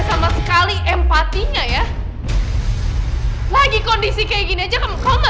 sampai jumpa di video selanjutnya